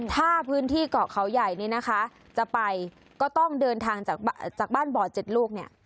ถ้าพื้นที่เกาะเขาใหญ่เนี่ยนะคะจะไปก็ต้องเดินทางจากบ้านบ่อ๗ลูกเนี่ย